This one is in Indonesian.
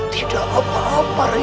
tidak apa apa rayi